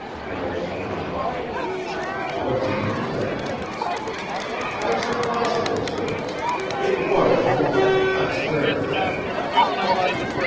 Carroll smiled. "What do you think?" "That's impossible, sir. It was a woman I'd swear to that."